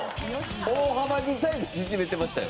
大幅にタイム縮めてましたよ。